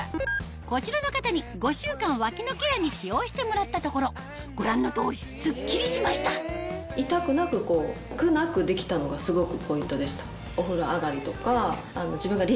こちらの方に５週間脇のケアに使用してもらったところご覧の通りスッキリしましたのがすごくポイントでした。